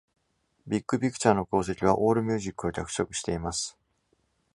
「Big Picture」の功績は、Allmusic を脚色しています。